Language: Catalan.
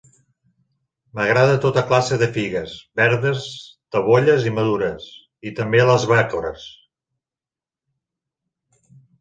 M'agrada tota classe de figues: verdes, tabolles i madures. I també les bacores.